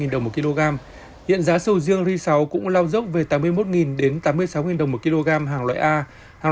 đồng một kg hiện giá sầu riêng ri sáu cũng lao dốc về tám mươi một tám mươi sáu đồng một kg hàng loại a hàng